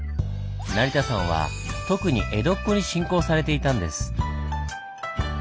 成田山は特に江戸っ子に信仰されていたんです。